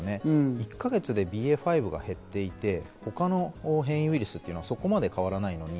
１か月でＢＡ．５が減っていて他の変異ウイルスはそこまで変わらない。